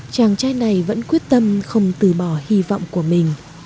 chàng trai này vẫn quyết tâm không từ bỏ hy vọng của mình